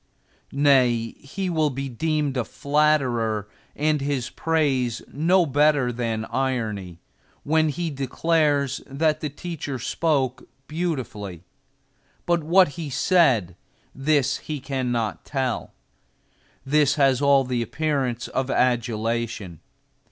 Nay, he will be deemed a flatterer and his praise no better than irony, when he declares that the teacher spoke beautifully; but what he said, this he cannot tell. This has all the appearance of adulation.